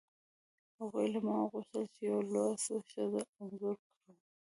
هغوی له ما وغوښتل چې یوه لوڅه ښځه انځور کړم